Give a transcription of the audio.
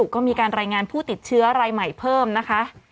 ก็มีการรายงานผู้ติดเชื้อรายใหม่เพิ่มนะคะ